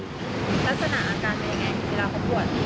ลักษณะอาการเป็นยังไงเวลาเขาบวช